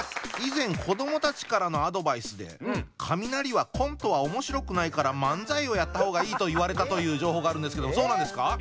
以前子どもたちからのアドバイスでカミナリはコントはおもしろくないから漫才をやった方がいいと言われたという情報があるんですけどそうなんですか？